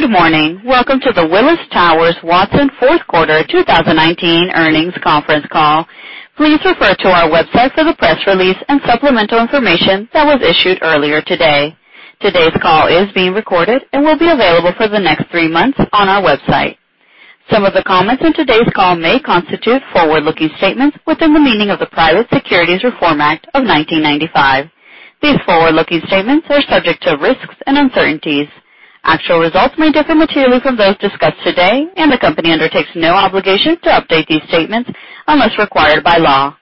Good morning. Welcome to the Willis Towers Watson fourth quarter 2019 earnings conference call. Please refer to our website for the press release and supplemental information that was issued earlier today. Today's call is being recorded and will be available for the next three months on our website. Some of the comments on today's call may constitute forward-looking statements within the meaning of the Private Securities Litigation Reform Act of 1995. These forward-looking statements are subject to risks and uncertainties. Actual results may differ materially from those discussed today, and the company undertakes no obligation to update these statements unless required by law.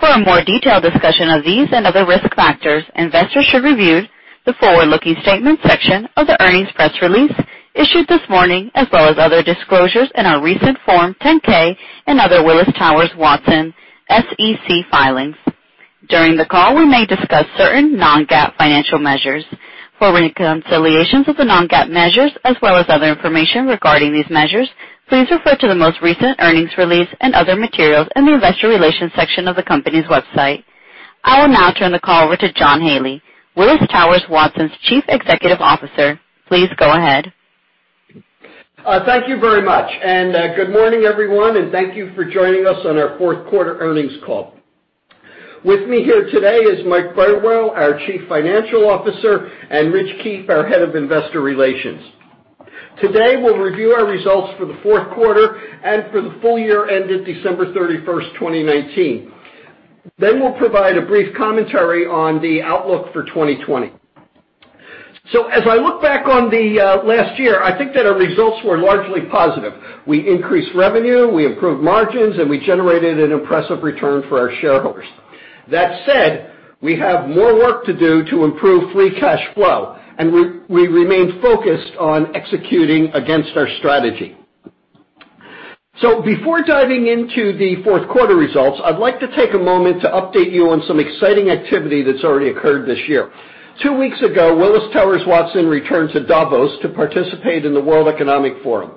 For a more detailed discussion of these and other risk factors, investors should review the forward-looking statements section of the earnings press release issued this morning, as well as other disclosures in our recent Form 10-K and other Willis Towers Watson SEC filings. During the call, we may discuss certain non-GAAP financial measures. For reconciliations of the non-GAAP measures as well as other information regarding these measures, please refer to the most recent earnings release and other materials in the Investor Relations section of the company's website. I will now turn the call over to John Haley, Willis Towers Watson's Chief Executive Officer. Please go ahead. Thank you very much. Good morning, everyone, and thank you for joining us on our fourth quarter earnings call. With me here today is Mike Burwell, our Chief Financial Officer, and Rich Keefe, our Head of Investor Relations. Today, we'll review our results for the fourth quarter and for the full-year ended December 31, 2019. We'll provide a brief commentary on the outlook for 2020. As I look back on the last year, I think that our results were largely positive. We increased revenue, we improved margins, and we generated an impressive return for our shareholders. That said, we have more work to do to improve free cash flow, and we remain focused on executing against our strategy. Before diving into the fourth quarter results, I'd like to take a moment to update you on some exciting activity that's already occurred this year. Two weeks ago, Willis Towers Watson returned to Davos to participate in the World Economic Forum.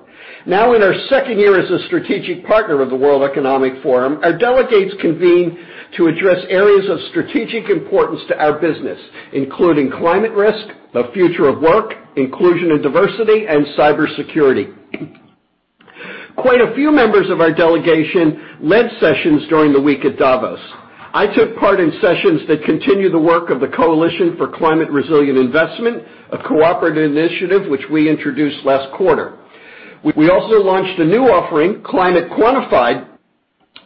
Now in our second year as a strategic partner of the World Economic Forum, our delegates convened to address areas of strategic importance to our business, including climate risk, the future of work, inclusion and diversity, and cybersecurity. Quite a few members of our delegation led sessions during the week at Davos. I took part in sessions that continue the work of the Coalition for Climate Resilient Investment, a cooperative initiative which we introduced last quarter. We also launched a new offering, Climate Quantified,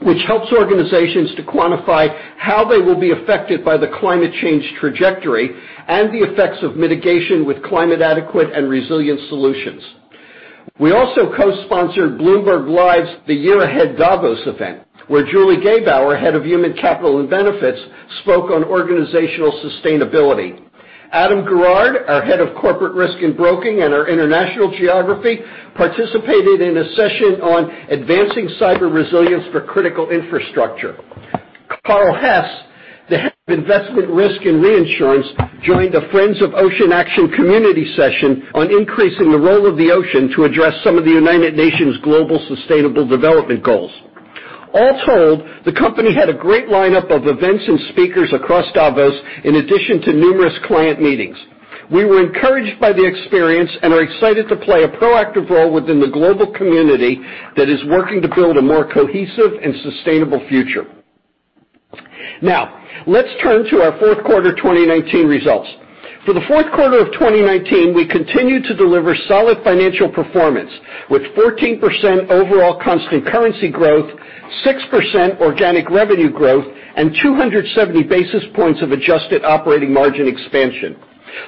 which helps organizations to quantify how they will be affected by the climate change trajectory and the effects of mitigation with climate adequate and resilient solutions. We also co-sponsored Bloomberg Live's The Year Ahead Davos event, where Julie Gebauer, Head of Human Capital and Benefits, spoke on organizational sustainability. Adam Garrard, our Head of Corporate Risk and Broking in our international geography, participated in a session on advancing cyber resilience for critical infrastructure. Carl Hess, the Head of Investment, Risk and Reinsurance, joined the Friends of Ocean Action community session on increasing the role of the ocean to address some of the United Nations Sustainable Development Goals. All told, the company had a great lineup of events and speakers across Davos, in addition to numerous client meetings. We were encouraged by the experience and are excited to play a proactive role within the global community that is working to build a more cohesive and sustainable future. Now, let's turn to our fourth quarter 2019 results. For the fourth quarter of 2019, we continued to deliver solid financial performance, with 14% overall constant currency growth, 6% organic revenue growth, and 270 basis points of adjusted operating margin expansion.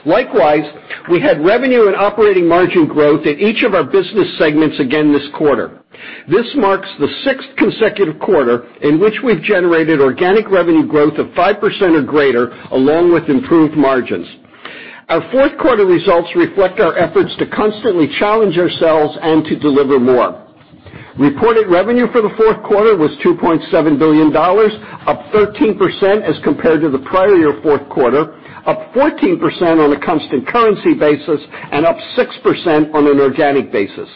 Likewise, we had revenue and operating margin growth at each of our business segments again this quarter. This marks the sixth consecutive quarter in which we've generated organic revenue growth of 5% or greater, along with improved margins. Our fourth quarter results reflect our efforts to constantly challenge ourselves and to deliver more. Reported revenue for the fourth quarter was $2.7 billion, up 13% as compared to the prior year fourth quarter, up 14% on a constant currency basis, and up 6% on an organic basis.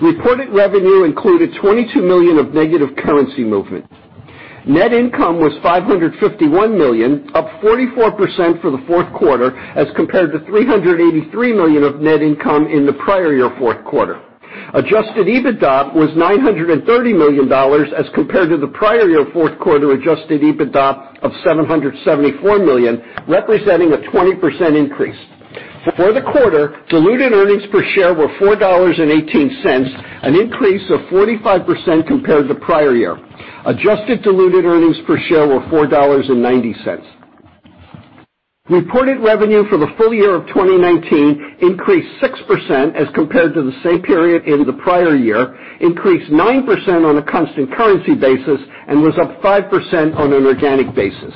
Reported revenue included $22 million of negative currency movement. Net income was $551 million, up 44% for the fourth quarter as compared to $383 million of net income in the prior year fourth quarter. Adjusted EBITDA was $930 million as compared to the prior year fourth quarter adjusted EBITDA of $774 million, representing a 20% increase. For the quarter, diluted earnings per share were $4.18, an increase of 45% compared to the prior year. Adjusted diluted earnings per share were $4.90. Reported revenue for the full-year of 2019 increased 6% as compared to the same period in the prior year, increased 9% on a constant currency basis, and was up 5% on an organic basis.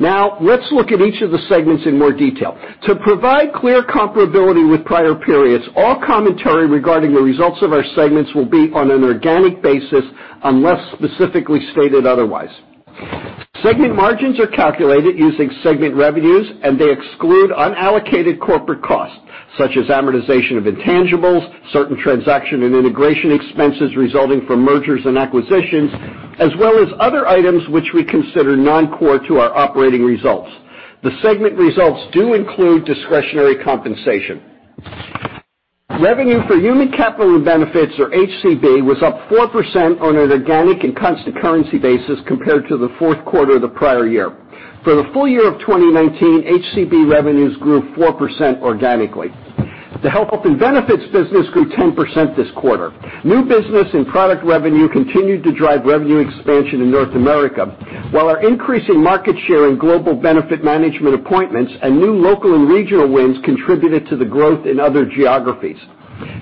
Let's look at each of the segments in more detail. To provide clear comparability with prior periods, all commentary regarding the results of our segments will be on an organic basis unless specifically stated otherwise. Segment margins are calculated using segment revenues, and they exclude unallocated corporate costs, such as amortization of intangibles, certain transaction and integration expenses resulting from mergers and acquisitions, as well as other items which we consider non-core to our operating results. The segment results do include discretionary compensation. Revenue for Human Capital and Benefits, or HCB, was up 4% on an organic and constant currency basis compared to the fourth quarter of the prior year. For the full-year of 2019, HCB revenues grew 4% organically. The health and benefits business grew 10% this quarter. New business and product revenue continued to drive revenue expansion in North America, while our increasing market share in global benefit management appointments and new local and regional wins contributed to the growth in other geographies.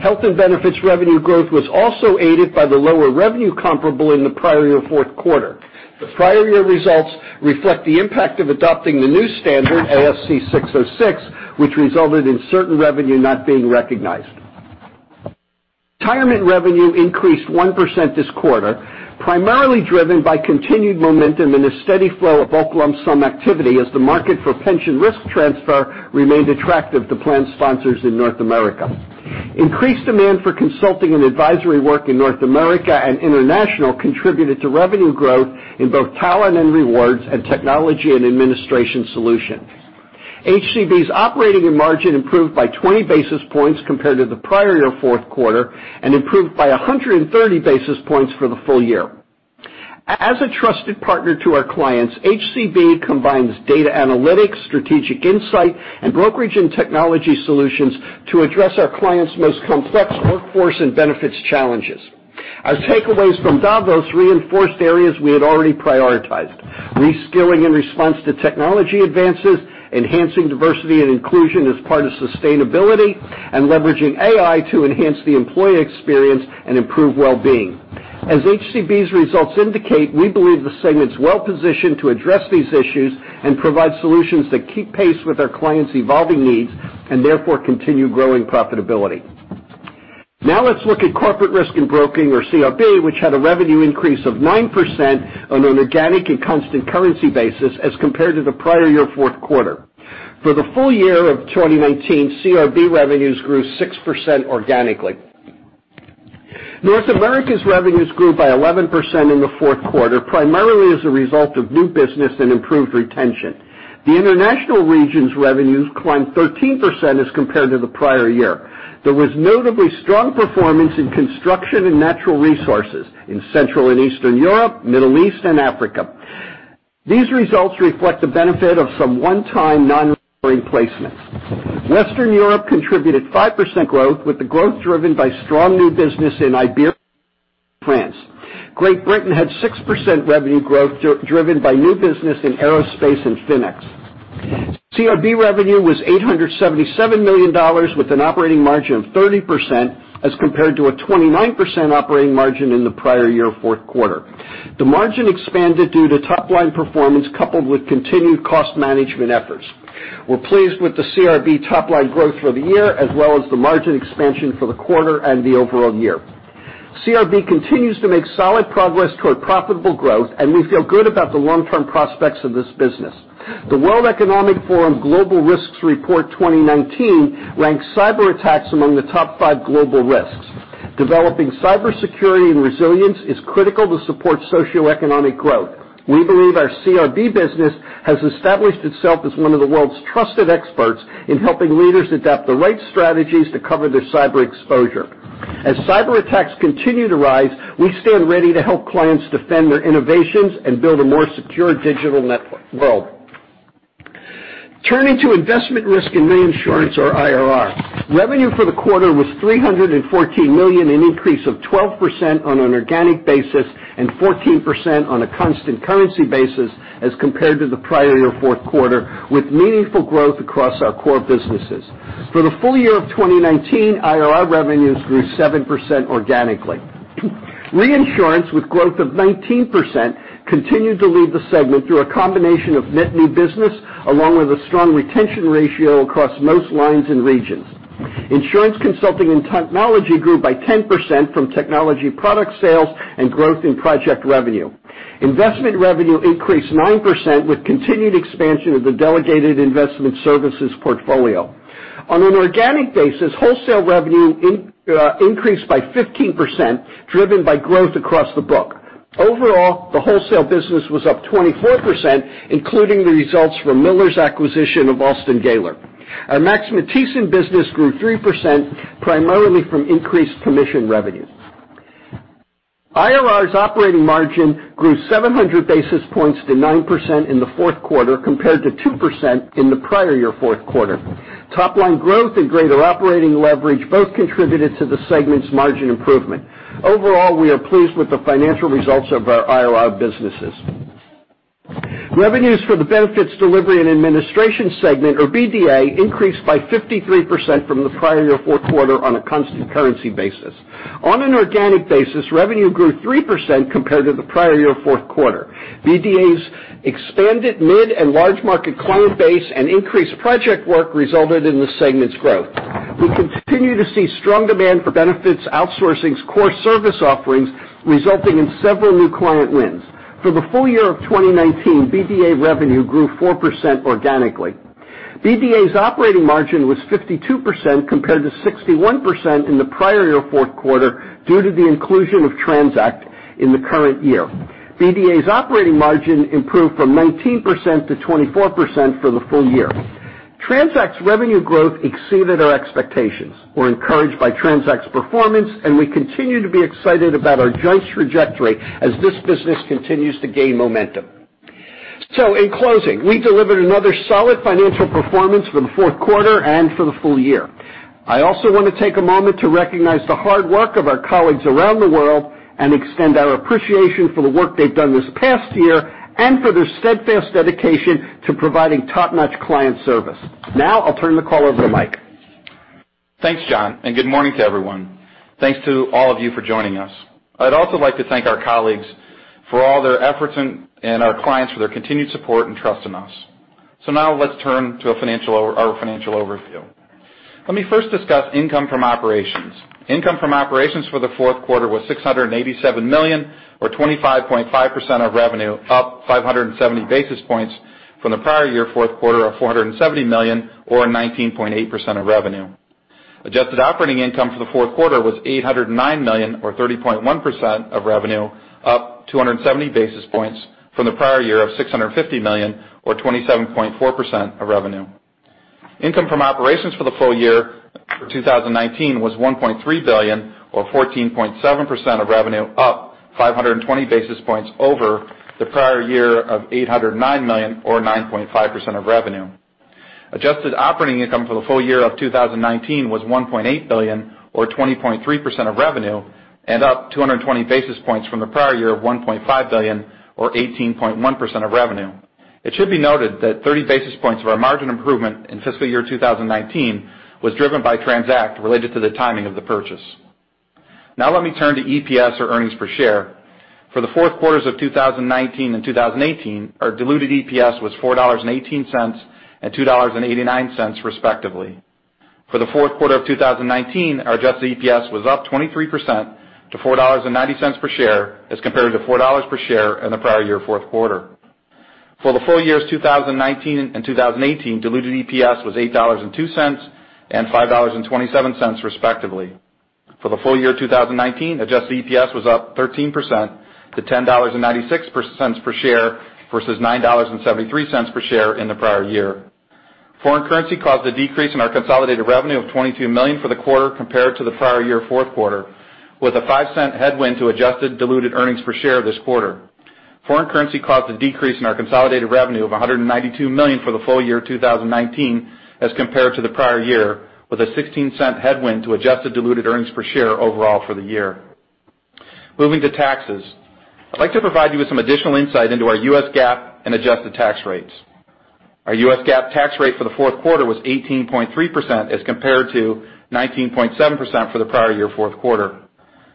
Health and benefits revenue growth was also aided by the lower revenue comparable in the prior year fourth quarter. The prior year results reflect the impact of adopting the new standard, ASC 606, which resulted in certain revenue not being recognized. Retirement revenue increased 1% this quarter, primarily driven by continued momentum and a steady flow of bulk lump sum activity as the market for pension risk transfer remained attractive to plan sponsors in North America. Increased demand for consulting and advisory work in North America and international contributed to revenue growth in both talent and rewards and technology and administration solutions. HCB's operating margin improved by 20 basis points compared to the prior year fourth quarter and improved by 130 basis points for the full-year. As a trusted partner to our clients, HCB combines data analytics, strategic insight, and brokerage and technology solutions to address our clients' most complex workforce and benefits challenges. Our takeaways from Davos reinforced areas we had already prioritized. Reskilling in response to technology advances, enhancing diversity and inclusion as part of sustainability, and leveraging AI to enhance the employee experience and improve well-being. As HCB's results indicate, we believe the segment is well-positioned to address these issues and provide solutions that keep pace with our clients' evolving needs, and therefore, continue growing profitability. Let's look at Corporate Risk and Broking, or CRB, which had a revenue increase of 9% on an organic and constant currency basis as compared to the prior year fourth quarter. For the full-year of 2019, CRB revenues grew 6% organically. North America's revenues grew by 11% in the fourth quarter, primarily as a result of new business and improved retention. The international region's revenues climbed 13% as compared to the prior year. There was notably strong performance in construction and natural resources in Central and Eastern Europe, Middle East, and Africa. These results reflect the benefit of some one-time non-recurring placements. Western Europe contributed 5% growth, with the growth driven by strong new business in Iberia and France. Great Britain had 6% revenue growth driven by new business in aerospace and fintech. CRB revenue was $877 million, with an operating margin of 30%, as compared to a 29% operating margin in the prior year fourth quarter. The margin expanded due to top-line performance, coupled with continued cost management efforts. We're pleased with the CRB top-line growth for the year, as well as the margin expansion for the quarter and the overall year. CRB continues to make solid progress toward profitable growth, and we feel good about the long-term prospects of this business. The World Economic Forum Global Risks Report 2019 ranks cyberattacks among the top five global risks. Developing cybersecurity and resilience is critical to support socioeconomic growth. We believe our CRB business has established itself as one of the world's trusted experts in helping leaders adapt the right strategies to cover their cyber exposure. As cyberattacks continue to rise, we stand ready to help clients defend their innovations and build a more secure digital world. Turning to Investment, Risk and Reinsurance, or IRR. Revenue for the quarter was $314 million, an increase of 12% on an organic basis and 14% on a constant currency basis as compared to the prior year fourth quarter, with meaningful growth across our core businesses. For the full-year of 2019, IRR revenues grew 7% organically. Reinsurance, with growth of 19%, continued to lead the segment through a combination of net new business along with a strong retention ratio across most lines and regions. Insurance consulting and technology grew by 10% from technology product sales and growth in project revenue. Investment revenue increased 9% with continued expansion of the delegated investment services portfolio. On an organic basis, wholesale revenue increased by 15%, driven by growth across the book. Overall, the wholesale business was up 24%, including the results from Miller's acquisition of Alston Gayler. Our Max Matthiessen business grew 3%, primarily from increased commission revenue. IRR's operating margin grew 700 basis points to 9% in the fourth quarter, compared to 2% in the prior year fourth quarter. Topline growth and greater operating leverage both contributed to the segment's margin improvement. Overall, we are pleased with the financial results of our IRR businesses. Revenues for the Benefits Delivery and Administration segment, or BDA, increased by 53% from the prior year fourth quarter on a constant currency basis. On an organic basis, revenue grew 3% compared to the prior year fourth quarter. BDA's expanded mid and large market client base and increased project work resulted in the segment's growth. We continue to see strong demand for Benefits Outsourcing's core service offerings, resulting in several new client wins. For the full-year of 2019, BDA revenue grew 4% organically. BDA's operating margin was 52% compared to 61% in the prior year fourth quarter, due to the inclusion of TRANZACT in the current year. BDA's operating margin improved from 19% to 24% for the full-year. TRANZACT's revenue growth exceeded our expectations. We're encouraged by TRANZACT's performance, and we continue to be excited about our joint trajectory as this business continues to gain momentum. In closing, we delivered another solid financial performance for the fourth quarter and for the full-year. I also want to take a moment to recognize the hard work of our colleagues around the world, and extend our appreciation for the work they've done this past year and for their steadfast dedication to providing top-notch client service. Now, I'll turn the call over to Mike. Thanks, John, and good morning to everyone. Thanks to all of you for joining us. I'd also like to thank our colleagues for all their efforts and our clients for their continued support and trust in us. Now let's turn to our financial overview. Let me first discuss income from operations. Income from operations for the fourth quarter was $687 million, or 25.5% of revenue, up 570 basis points from the prior year fourth quarter of $470 million, or 19.8% of revenue. Adjusted operating income for the fourth quarter was $809 million, or 30.1% of revenue, up 270 basis points from the prior year of $650 million, or 27.4% of revenue. Income from operations for the full-year for 2019 was $1.3 billion, or 14.7% of revenue, up 520 basis points over the prior year of $809 million, or 9.5% of revenue. Adjusted operating income for the full-year of 2019 was $1.8 billion or 20.3% of revenue and up 220 basis points from the prior year of $1.5 billion or 18.1% of revenue. It should be noted that 30 basis points of our margin improvement in fiscal year 2019 was driven by TRANZACT related to the timing of the purchase. Now let me turn to EPS, or earnings per share. For the fourth quarters of 2019 and 2018, our diluted EPS was $4.18 and $2.89, respectively. For the fourth quarter of 2019, our adjusted EPS was up 23% to $4.90 per share as compared to $4 per share in the prior year fourth quarter. For the full-years 2019 and 2018, diluted EPS was $8.02 and $5.27, respectively. For the full-year 2019, adjusted EPS was up 13% to $10.96 per share versus $9.73 per share in the prior year. Foreign currency caused a decrease in our consolidated revenue of $22 million for the quarter compared to the prior year fourth quarter, with a $0.05 headwind to adjusted diluted earnings per share this quarter. Foreign currency caused a decrease in our consolidated revenue of $192 million for the full-year 2019 as compared to the prior year, with a $0.16 headwind to adjusted diluted earnings per share overall for the year. Moving to taxes. I'd like to provide you with some additional insight into our U.S. GAAP and adjusted tax rates. Our U.S. GAAP tax rate for the fourth quarter was 18.3% as compared to 19.7% for the prior year fourth quarter.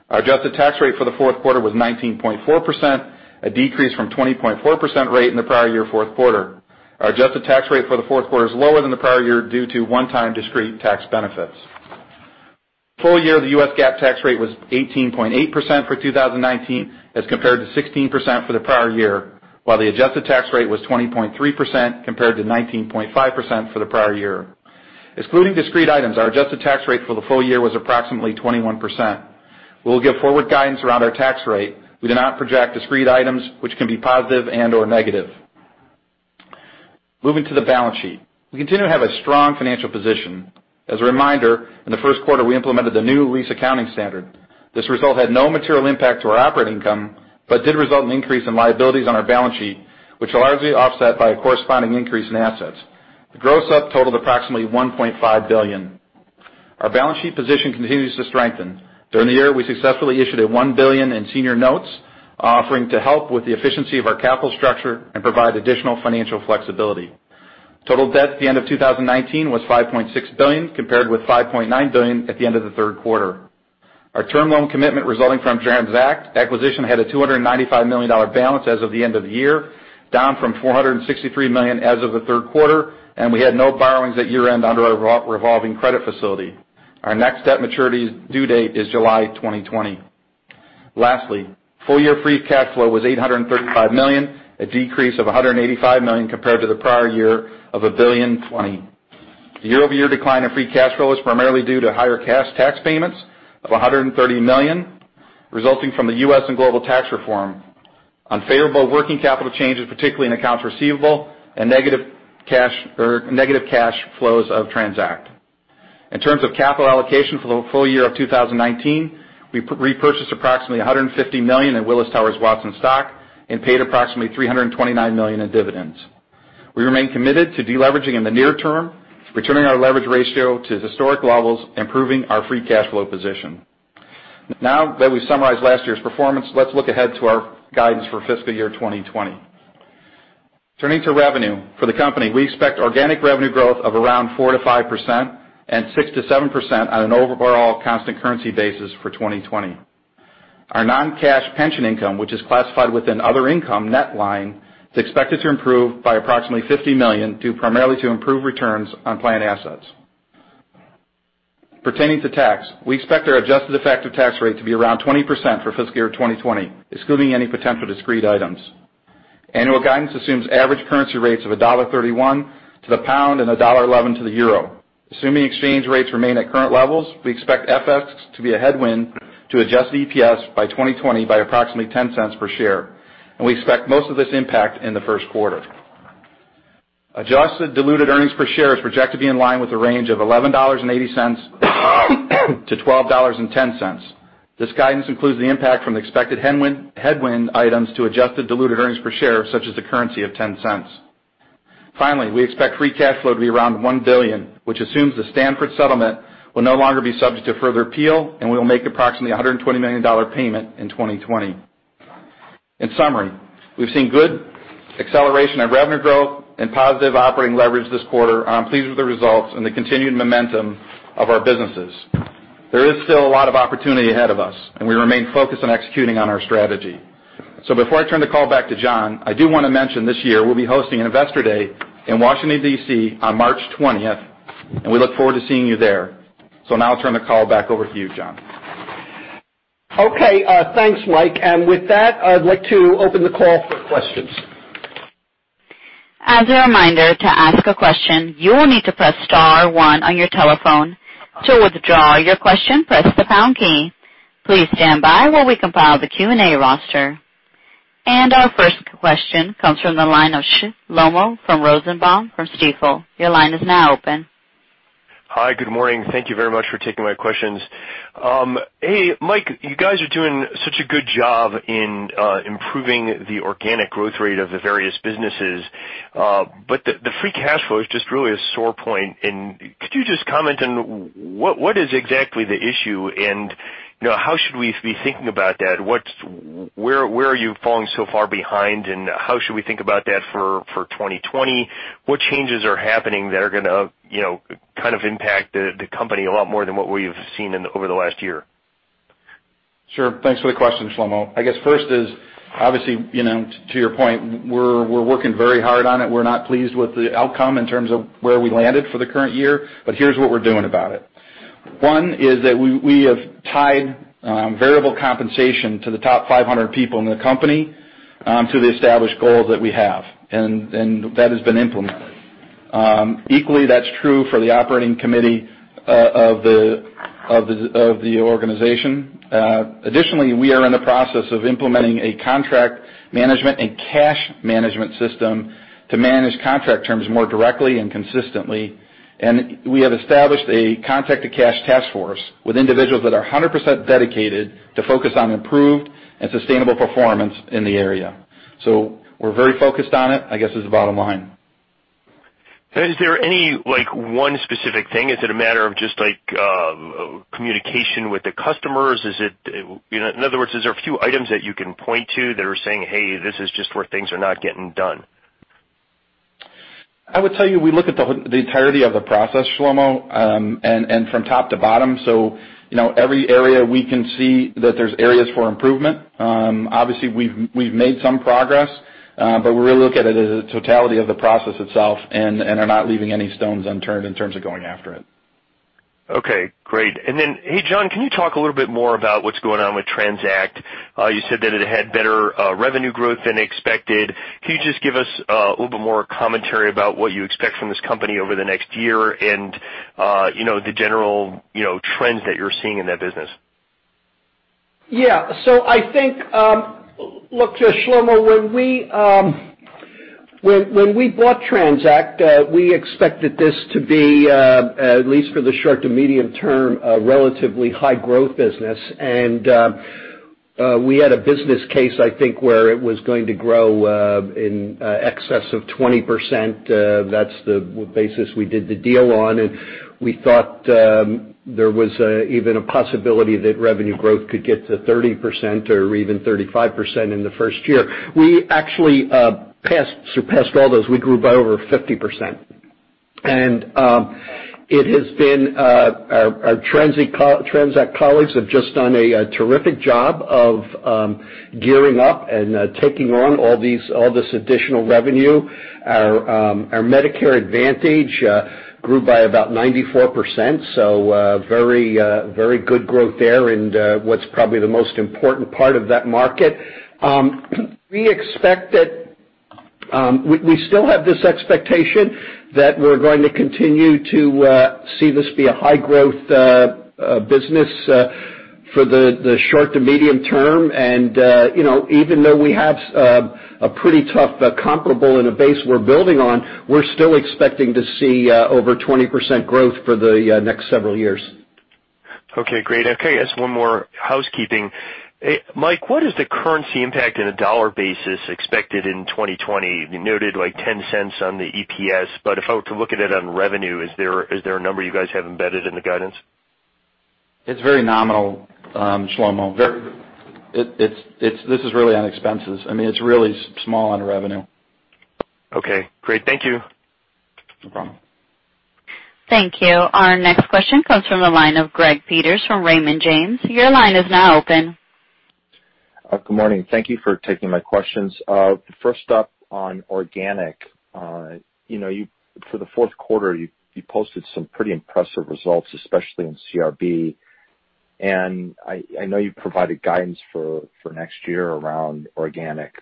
Our adjusted tax rate for the fourth quarter was 19.4%, a decrease from 20.4% rate in the prior year fourth quarter. Our adjusted tax rate for the fourth quarter is lower than the prior year due to one-time discrete tax benefits. Full-year, the U.S. GAAP tax rate was 18.8% for 2019 as compared to 16% for the prior year, while the adjusted tax rate was 20.3% compared to 19.5% for the prior year. Excluding discrete items, our adjusted tax rate for the full-year was approximately 21%. We'll give forward guidance around our tax rate. We do not project discrete items, which can be positive and/or negative. Moving to the balance sheet. We continue to have a strong financial position. As a reminder, in the first quarter, we implemented the new lease accounting standard. This result had no material impact to our operating income, but did result in increase in liabilities on our balance sheet, which are largely offset by a corresponding increase in assets. The gross up totaled approximately $1.5 billion. Our balance sheet position continues to strengthen. During the year, we successfully issued a $1 billion in senior notes, offering to help with the efficiency of our capital structure and provide additional financial flexibility. Total debt at the end of 2019 was $5.6 billion, compared with $5.9 billion at the end of the third quarter. Our term loan commitment resulting from TRANZACT acquisition had a $295 million balance as of the end of the year, down from $463 million as of the third quarter, and we had no borrowings at year-end under our revolving credit facility. Our next debt maturity due date is July 2020. Lastly, full-year free cash flow was $835 million, a decrease of $185 million compared to the prior year of $1.02 billion. The year-over-year decline in free cash flow is primarily due to higher cash tax payments of $130 million, resulting from the U.S. and global tax reform, unfavorable working capital changes, particularly in accounts receivable, and negative cash flows of TRANZACT. In terms of capital allocation for the full-year of 2019, we repurchased approximately $150 million in Willis Towers Watson stock and paid approximately $329 million in dividends. We remain committed to de-leveraging in the near term, returning our leverage ratio to historic levels, improving our free cash flow position. Now that we've summarized last year's performance, let's look ahead to our guidance for fiscal year 2020. Turning to revenue. For the company, we expect organic revenue growth of around 4%-5% and 6%-7% on an overall constant currency basis for 2020. Our non-cash pension income, which is classified within other income net line, is expected to improve by approximately $50 million due primarily to improved returns on planned assets. Pertaining to tax, we expect our adjusted effective tax rate to be around 20% for fiscal year 2020, excluding any potential discrete items. Annual guidance assumes average currency rates of $1.31 to pound and $1.11 to euro. Assuming exchange rates remain at current levels, we expect FX to be a headwind to adjusted EPS by 2020 by approximately $0.10 per share, and we expect most of this impact in the first quarter. Adjusted diluted earnings per share is projected to be in line with the range of $11.80-$12.10. This guidance includes the impact from the expected headwind items to adjusted diluted earnings per share, such as the currency of $0.10. Finally, we expect free cash flow to be around $1 billion, which assumes the Stanford settlement will no longer be subject to further appeal, and we will make approximately $120 million payment in 2020. In summary, we've seen good acceleration of revenue growth and positive operating leverage this quarter. I'm pleased with the results and the continued momentum of our businesses. There is still a lot of opportunity ahead of us, and we remain focused on executing on our strategy. Before I turn the call back to John, I do want to mention this year, we'll be hosting an Investor Day in Washington, D.C., on March 20th, and we look forward to seeing you there. Now I'll turn the call back over to you, John. Okay. Thanks, Mike. With that, I'd like to open the call for questions. As a reminder, to ask a question, you will need to press star one on your telephone. To withdraw your question, press the pound key. Please stand by while we compile the Q&A roster. Our first question comes from the line of Shlomo Rosenbaum from Stifel. Your line is now open. Hi. Good morning. Thank you very much for taking my questions. Hey, Mike, you guys are doing such a good job in improving the organic growth rate of the various businesses. The free cash flow is just really a sore point. Could you just comment on what is exactly the issue and how should we be thinking about that? Where are you falling so far behind, and how should we think about that for 2020? What changes are happening that are going to kind of impact the company a lot more than what we've seen over the last year? Sure. Thanks for the question, Shlomo. I guess first is, obviously, to your point, we're working very hard on it. We're not pleased with the outcome in terms of where we landed for the current year. Here's what we're doing about it. One is that we have tied variable compensation to the top 500 people in the company, to the established goals that we have. That has been implemented. Equally, that's true for the operating committee of the organization. Additionally, we are in the process of implementing a contract management and cash management system to manage contract terms more directly and consistently. We have established a contract-to-cash task force with individuals that are 100% dedicated to focus on improved and sustainable performance in the area. We're very focused on it, I guess, is the bottom line. Is there any one specific thing? Is it a matter of just communication with the customers? In other words, is there a few items that you can point to that are saying, "Hey, this is just where things are not getting done"? I would tell you, we look at the entirety of the process, Shlomo, and from top to bottom, so every area we can see that there's areas for improvement. Obviously, we've made some progress, but we really look at it as a totality of the process itself and are not leaving any stones unturned in terms of going after it. Okay, great. Hey, John, can you talk a little bit more about what's going on with TRANZACT? You said that it had better revenue growth than expected. Can you just give us a little bit more commentary about what you expect from this company over the next year and the general trends that you're seeing in that business? Look, Shlomo, when we bought TRANZACT, we expected this to be, at least for the short to medium term, a relatively high-growth business. We had a business case, I think, where it was going to grow in excess of 20%. That's the basis we did the deal on, we thought there was even a possibility that revenue growth could get to 30% or even 35% in the first year. We actually surpassed all those. We grew by over 50%. Our TRANZACT colleagues have just done a terrific job of gearing up and taking on all this additional revenue. Our Medicare Advantage grew by about 94%, very good growth there in what's probably the most important part of that market. We still have this expectation that we're going to continue to see this be a high-growth business for the short to medium term, and even though we have a pretty tough comparable and a base we're building on, we're still expecting to see over 20% growth for the next several years. Okay, great. I guess one more housekeeping. Mike, what is the currency impact in a dollar basis expected in 2020? You noted $0.10 on the EPS, if I were to look at it on revenue, is there a number you guys have embedded in the guidance? It's very nominal, Shlomo. This is really on expenses. It's really small on revenue. Okay, great. Thank you. No problem. Thank you. Our next question comes from the line of Greg Peters from Raymond James. Your line is now open. Good morning. Thank you for taking my questions. First up on organic. For the fourth quarter, you posted some pretty impressive results, especially in CRB. I know you've provided guidance for next year around organic.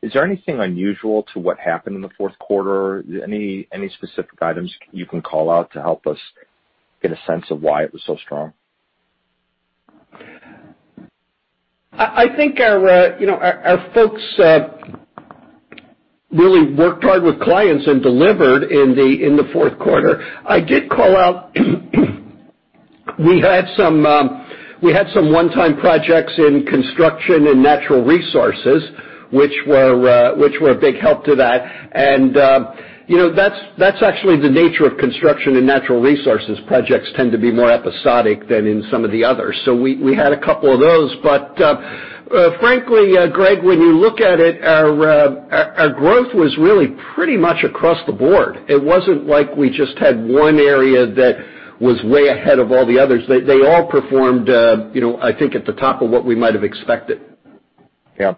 Is there anything unusual to what happened in the fourth quarter? Any specific items you can call out to help us get a sense of why it was so strong? I think our folks really worked hard with clients and delivered in the fourth quarter. I did call out, we had some one-time projects in construction and natural resources, which were a big help to that. That's actually the nature of construction and natural resources. Projects tend to be more episodic than in some of the others. We had a couple of those. Frankly, Greg, when you look at it, our growth was really pretty much across the board. It wasn't like we just had one area that was way ahead of all the others. They all performed, I think, at the top of what we might have expected. Yeah.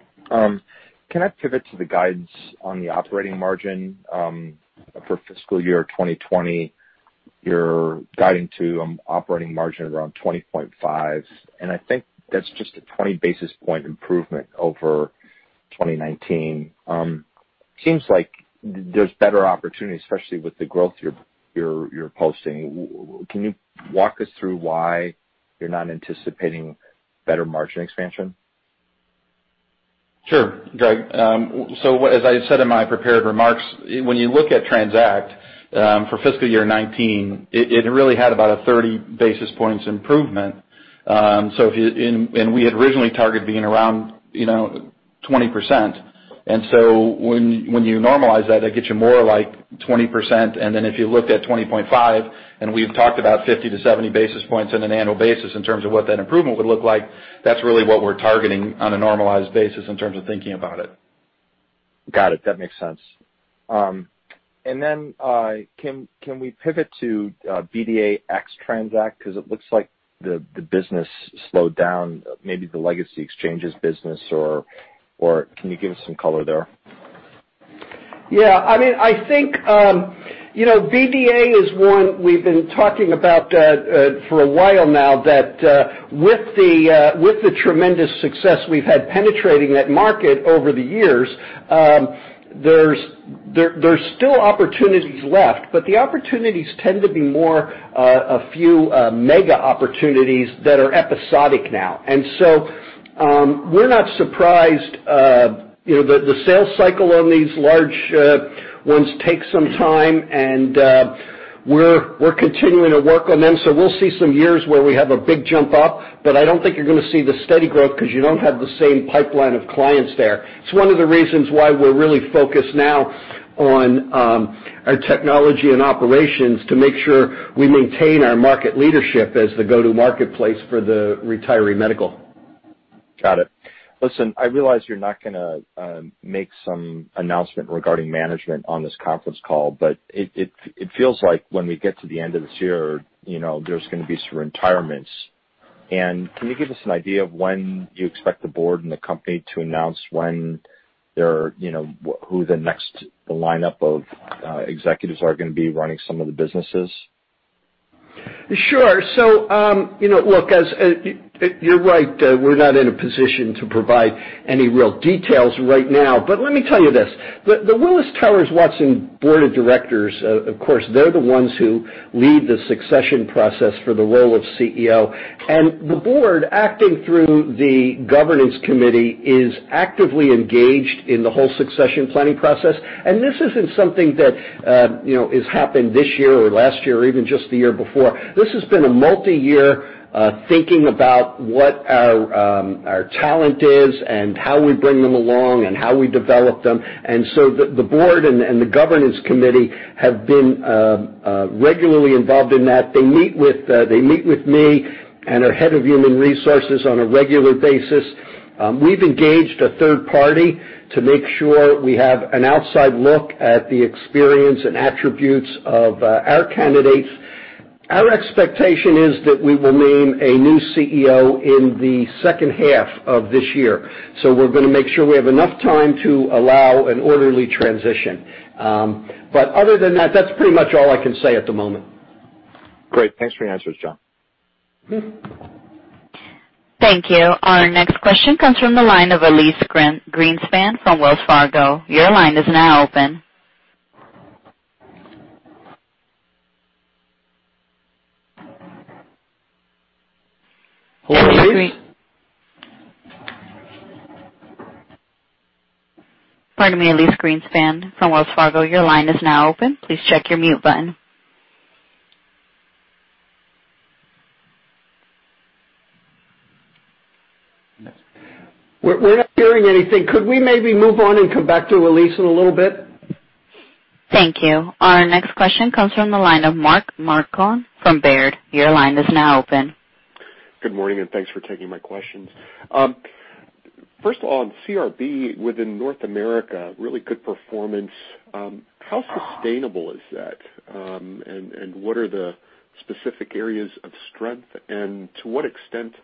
Can I pivot to the guidance on the operating margin? For fiscal year 2020, you're guiding to operating margin around 20.5%, and I think that's just a 20-basis-point improvement over 2019. Seems like there's better opportunities, especially with the growth you're posting. Can you walk us through why you're not anticipating better margin expansion? Sure, Greg. As I said in my prepared remarks, when you look at TRANZACT, for fiscal year 2019, it really had about a 30 basis points improvement. We had originally targeted being around 20%. When you normalize that gets you more like 20%. If you looked at 20.5%, we've talked about 50-70 basis points on an annual basis in terms of what that improvement would look like, that's really what we're targeting on a normalized basis in terms of thinking about it. Got it. That makes sense. Can we pivot to BDA ex TRANZACT? Because it looks like the business slowed down, maybe the legacy exchanges business, or can you give us some color there? Yeah, I think BDA is one we've been talking about for a while now that, with the tremendous success we've had penetrating that market over the years, there's still opportunities left, but the opportunities tend to be more a few mega opportunities that are episodic now. We're not surprised. The sales cycle on these large ones takes some time, and we're continuing to work on them. We'll see some years where we have a big jump up, but I don't think you're going to see the steady growth because you don't have the same pipeline of clients there. It's one of the reasons why we're really focused now on our technology and operations to make sure we maintain our market leadership as the go-to marketplace for the retiree medical. Got it. Listen, I realize you're not going to make some announcement regarding management on this conference call, but it feels like when we get to the end of this year, there's going to be some retirements. Can you give us an idea of when you expect the board and the company to announce who the next lineup of executives are going to be running some of the businesses? Sure. Look, you're right. We're not in a position to provide any real details right now. Let me tell you this, the Willis Towers Watson Board of Directors, of course, they're the ones who lead the succession process for the role of CEO, and the board, acting through the Governance Committee, is actively engaged in the whole succession planning process. This isn't something that has happened this year or last year or even just the year before. This has been a multi-year thinking about what our talent is and how we bring them along and how we develop them. The board and the Governance Committee have been regularly involved in that. They meet with me and our head of human resources on a regular basis. We've engaged a third party to make sure we have an outside look at the experience and attributes of our candidates. Our expectation is that we will name a new CEO in the second half of this year. We're going to make sure we have enough time to allow an orderly transition. Other than that's pretty much all I can say at the moment. Great. Thanks for your answers, John. Thank you. Our next question comes from the line of Elyse Greenspan from Wells Fargo. Your line is now open. Elyse? Pardon me, Elyse Greenspan from Wells Fargo. Your line is now open. Please check your mute button. We're not hearing anything. Could we maybe move on and come back to Elyse in a little bit? Thank you. Our next question comes from the line of Mark Marcon from Baird. Your line is now open. Good morning, and thanks for taking my questions. First of all, on CRB within North America, really good performance. How sustainable is that? What are the specific areas of strength? To what extent,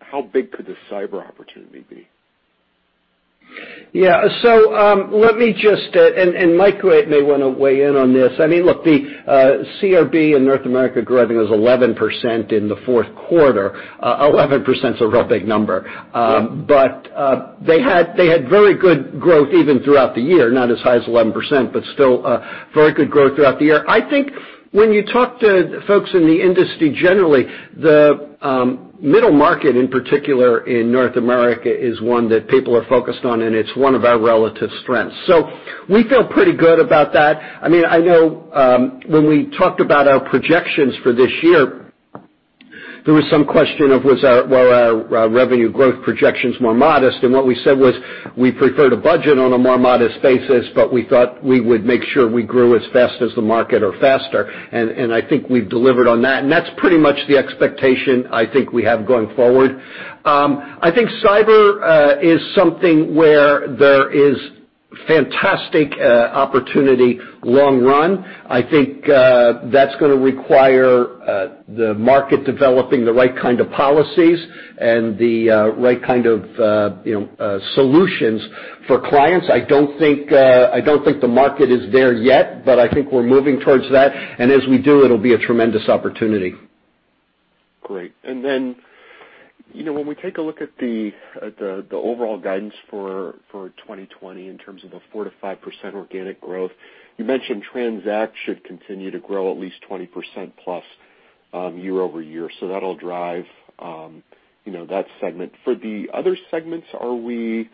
how big could the cyber opportunity be? Yeah. Let me just, and Mike may want to weigh in on this. Look, the CRB in North America grew, I think it was 11% in the fourth quarter. 11% is a real big number. Yeah. They had very good growth even throughout the year, not as high as 11%, but still very good growth throughout the year. I think when you talk to folks in the industry, generally, the middle market in particular in North America is one that people are focused on, and it's one of our relative strengths. We feel pretty good about that. I know when we talked about our projections for this year, there was some question of were our revenue growth projections more modest? What we said was we preferred a budget on a more modest basis, but we thought we would make sure we grew as fast as the market or faster. I think we've delivered on that. That's pretty much the expectation I think we have going forward. I think cyber is something where there is fantastic opportunity long run. I think that's going to require the market developing the right kind of policies and the right kind of solutions for clients. I don't think the market is there yet. I think we're moving towards that, and as we do, it'll be a tremendous opportunity. Great. When we take a look at the overall guidance for 2020 in terms of the 4%-5% organic growth, you mentioned TRANZACT should continue to grow at least 20%+ year-over-year. That'll drive that segment. For the other segments, are we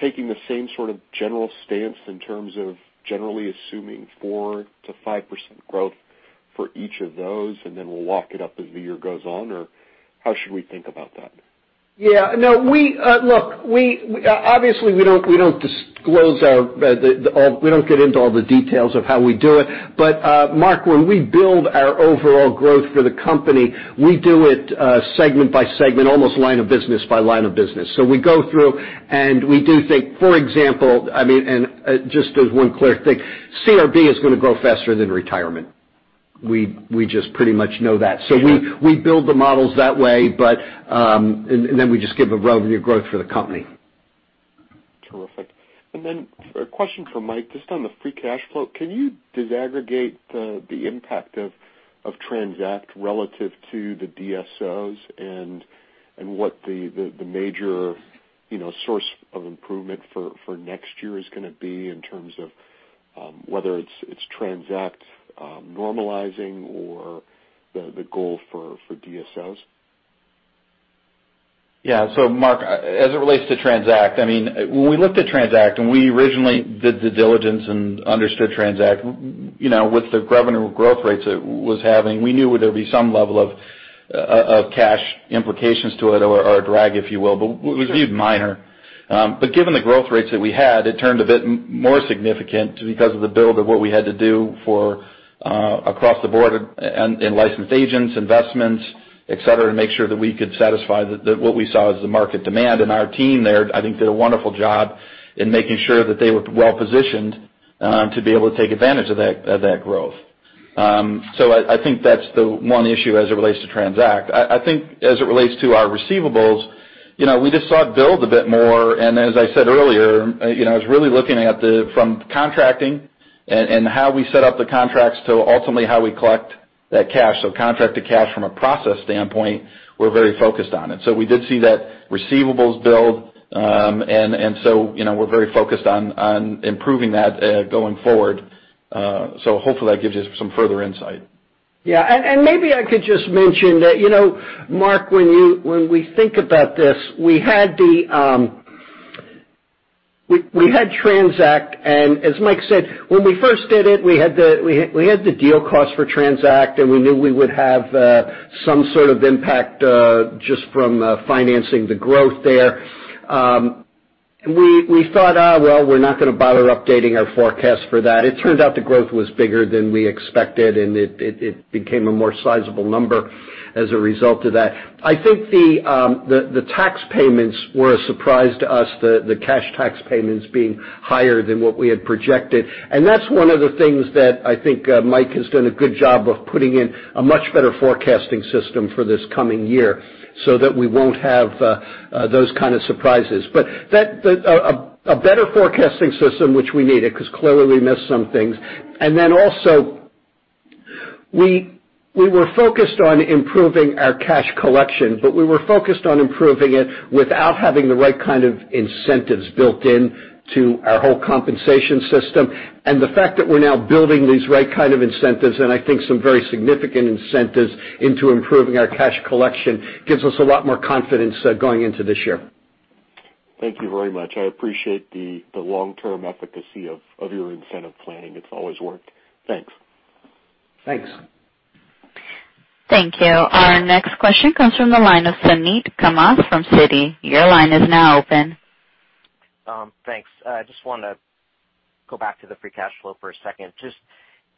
taking the same sort of general stance in terms of generally assuming 4%-5% growth for each of those, and then we'll walk it up as the year goes on? How should we think about that? Yeah. Look, obviously we don't get into all the details of how we do it. Mark, when we build our overall growth for the company, we do it segment by segment, almost line of business by line of business. We go through, and we do think, for example, and just as one clear thing, CRB is going to grow faster than retirement. We just pretty much know that. Sure. We build the models that way. Then we just give a revenue growth for the company. Terrific. Then a question for Mike, just on the free cash flow. Can you disaggregate the impact of TRANZACT relative to the DSOs and what the major source of improvement for next year is going to be in terms of whether it's TRANZACT normalizing or the goal for DSOs? Yeah. Mark, as it relates to TRANZACT, when we looked at TRANZACT and we originally did the diligence and understood TRANZACT, with the revenue growth rates it was having, we knew there would be some level of cash implications to it or a drag, if you will, but we viewed minor. Given the growth rates that we had, it turned a bit more significant because of the build of what we had to do across the board in licensed agents, investments, et cetera, to make sure that we could satisfy what we saw as the market demand. Our team there, I think, did a wonderful job in making sure that they were well-positioned to be able to take advantage of that growth. I think that's the one issue as it relates to TRANZACT. I think as it relates to our receivables, we just saw it build a bit more. As I said earlier, I was really looking at from contracting and how we set up the contracts to ultimately how we collect that cash. Contract to cash from a process standpoint, we're very focused on it. We did see that receivables build. We're very focused on improving that going forward. Hopefully that gives you some further insight. Yeah. Maybe I could just mention that, Mark, when we think about this, we had TRANZACT, and as Mike said, when we first did it, we had the deal cost for TRANZACT, and we knew we would have some sort of impact just from financing the growth there. We thought, "Well, we're not going to bother updating our forecast for that." It turned out the growth was bigger than we expected, and it became a more sizable number as a result of that. I think the tax payments were a surprise to us, the cash tax payments being higher than what we had projected. That's one of the things that I think Mike has done a good job of putting in a much better forecasting system for this coming year so that we won't have those kind of surprises. A better forecasting system, which we needed, because clearly we missed some things. We were focused on improving our cash collection, but we were focused on improving it without having the right kind of incentives built into our whole compensation system. The fact that we're now building these right kind of incentives, and I think some very significant incentives into improving our cash collection gives us a lot more confidence going into this year. Thank you very much. I appreciate the long-term efficacy of your incentive planning. It's always worked. Thanks. Thanks. Thank you. Our next question comes from the line of Suneet Kamath from Citi. Your line is now open. Thanks. I just want to go back to the free cash flow for a second. Just,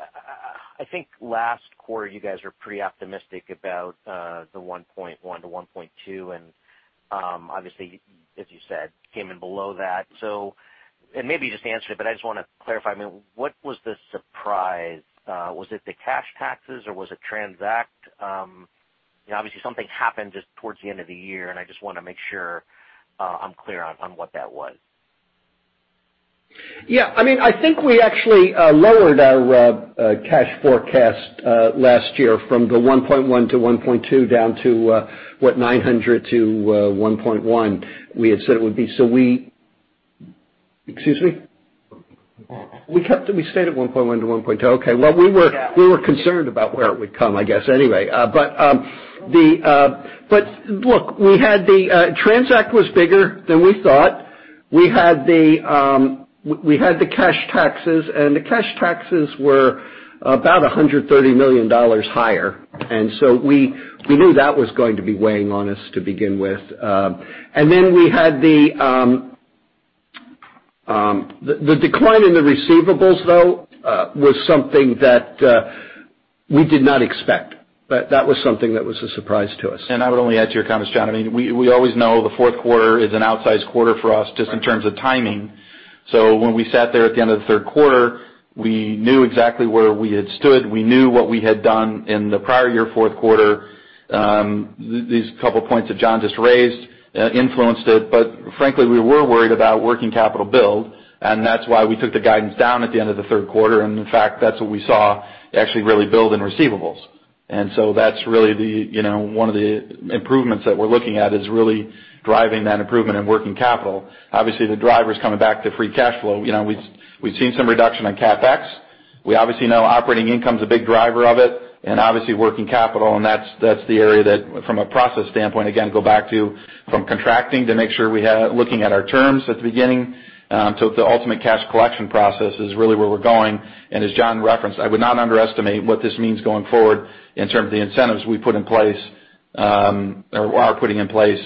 I think last quarter you guys were pretty optimistic about the $1.1 billion-$1.2 billion, and obviously, as you said, came in below that. Maybe you just answered it, but I just want to clarify. What was the surprise? Was it the cash taxes or was it TRANZACT? Obviously, something happened just towards the end of the year, and I just want to make sure I'm clear on what that was. Yeah. I think we actually lowered our cash forecast last year from the $1.1 billion-$1.2 billion down to what, $900 million-$1.1 billion we had said it would be. Excuse me? We stayed at $1.1 billion-$1.2 billion. Okay. Well, we were concerned about where it would come, I guess, anyway. Look, TRANZACT was bigger than we thought. We had the cash taxes, the cash taxes were about $130 million higher. We knew that was going to be weighing on us to begin with. The decline in the receivables, though, was something that we did not expect. That was something that was a surprise to us. I would only add to your comments, John. When we sat there at the end of the third quarter, we knew exactly where we had stood. We knew what we had done in the prior year, fourth quarter. These couple points that John just raised influenced it. Frankly, we were worried about working capital build, and that's why we took the guidance down at the end of the third quarter. In fact, that's what we saw actually really build in receivables. That's really one of the improvements that we're looking at is really driving that improvement in working capital. Obviously, the drivers coming back to free cash flow. We've seen some reduction in CapEx. We obviously know operating income's a big driver of it, and obviously, working capital, and that's the area that from a process standpoint, again, go back to from contracting to make sure we're looking at our terms at the beginning, to the ultimate cash collection process is really where we're going. As John referenced, I would not underestimate what this means going forward in terms of the incentives we put in place, or are putting in place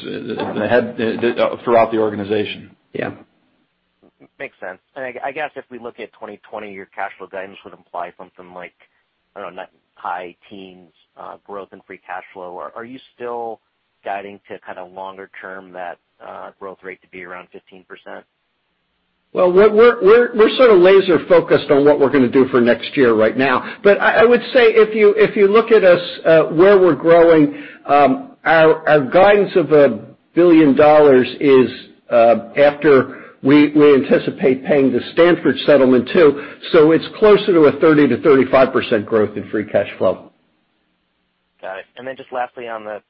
throughout the organization. Yeah. Makes sense. I guess if we look at 2020, your cash flow guidance would imply something like, I don't know, high teens growth and free cash flow. Are you still guiding to kind of longer term that growth rate to be around 15%? Well, we're sort of laser focused on what we're going to do for next year right now. I would say if you look at us, where we're growing, our guidance of $1 billion is after we anticipate paying the Stanford settlement too. It's closer to a 30%-35% growth in free cash flow. Got it. Then just lastly on the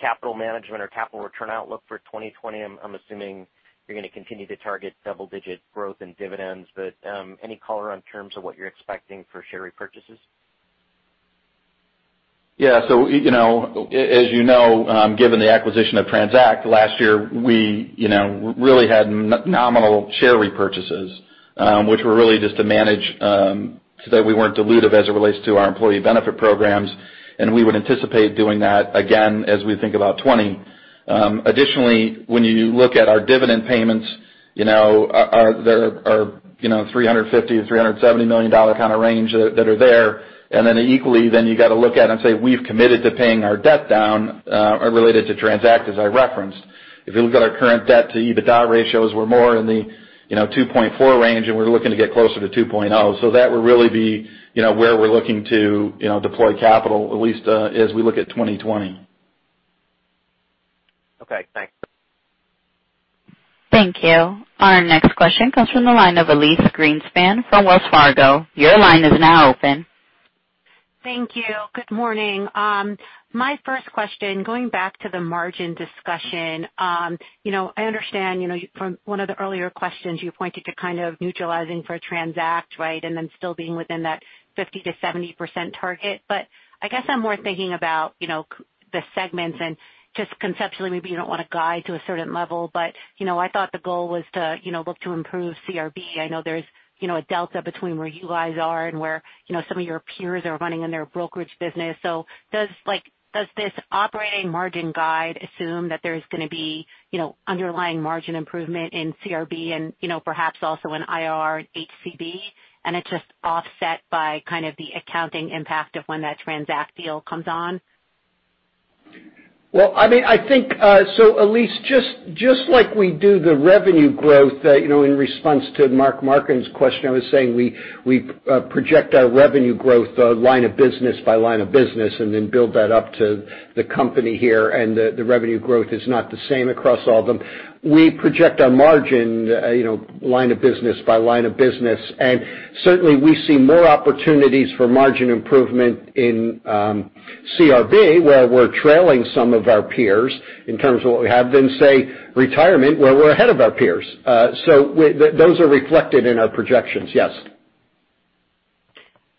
capital management or capital return outlook for 2020, I'm assuming you're going to continue to target double-digit growth in dividends, any color on terms of what you're expecting for share repurchases? Yeah. As you know, given the acquisition of TRANZACT last year, we really had nominal share repurchases, which were really just to manage so that we weren't dilutive as it relates to our employee benefit programs, and we would anticipate doing that again as we think about 2020. Additionally, when you look at our dividend payments, there are $350 million-$370 million kind of range that are there. Equally, then you got to look at and say we've committed to paying our debt down, related to TRANZACT, as I referenced. If you look at our current debt to EBITDA ratios, we're more in the 2.4 range and we're looking to get closer to 2.0. That would really be where we're looking to deploy capital, at least as we look at 2020. Okay, thanks. Thank you. Our next question comes from the line of Elyse Greenspan from Wells Fargo. Your line is now open. Thank you. Good morning. My first question, going back to the margin discussion. I understand from one of the earlier questions you pointed to kind of neutralizing for TRANZACT, right? Still being within that 50%-70% target. I guess I'm more thinking about the segments and just conceptually, maybe you don't want to guide to a certain level, but I thought the goal was to look to improve CRB. I know there's a delta between where you guys are and where some of your peers are running in their brokerage business. Does this operating margin guide assume that there's going to be underlying margin improvement in CRB and perhaps also in IR and HCB, and it's just offset by kind of the accounting impact of when that TRANZACT deal comes on? Elyse, just like we do the revenue growth in response to Mark Marcon's question, I was saying we project our revenue growth line of business by line of business, and then build that up to the company here, and the revenue growth is not the same across all of them. We project our margin line of business by line of business. Certainly, we see more opportunities for margin improvement in CRB where we're trailing some of our peers in terms of what we have than, say, retirement, where we're ahead of our peers. Those are reflected in our projections, yes.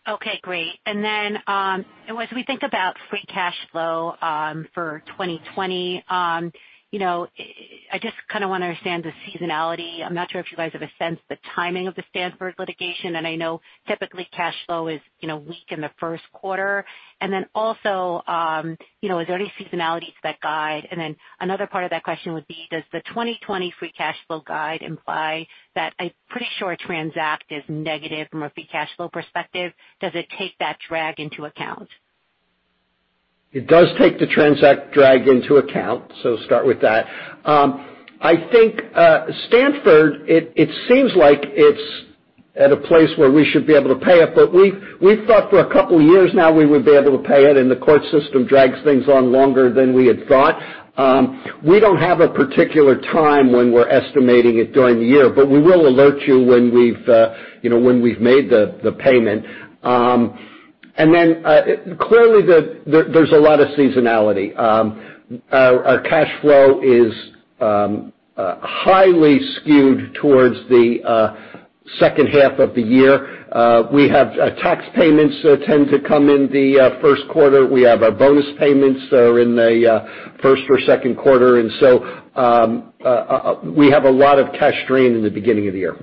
Okay, great. As we think about free cash flow for 2020, I just kind of want to understand the seasonality. I am not sure if you guys have a sense the timing of the Stanford litigation, and I know typically cash flow is weak in the first quarter. Also, is there any seasonality to that guide? Another part of that question would be, does the 2020 free cash flow guide imply that I am pretty sure TRANZACT is negative from a free cash flow perspective. Does it take that drag into account? It does take the TRANZACT drag into account. Start with that. I think Stanford, it seems like it's at a place where we should be able to pay it, but we've thought for a couple of years now we would be able to pay it, and the court system drags things on longer than we had thought. We don't have a particular time when we're estimating it during the year, but we will alert you when we've made the payment. Then, clearly, there's a lot of seasonality. Our cash flow is highly skewed towards the second half of the year. We have tax payments that tend to come in the first quarter. We have our bonus payments are in the first or second quarter. So, we have a lot of cash drain in the beginning of the year.